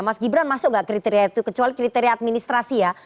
mas gibran masuk nggak kriteria itu kecuali kriteria administrasi ya